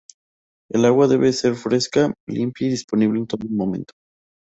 El agua debe ser fresca y limpia y disponible en todo momento.